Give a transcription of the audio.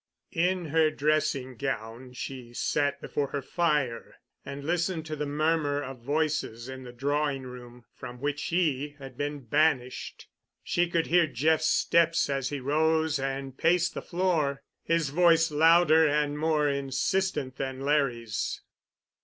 In her dressing gown she sat before her fire and listened to the murmur of voices in the drawing room, from which she had been banished. She could hear Jeff's steps as he rose and paced the floor, his voice louder and more insistent than Larry's.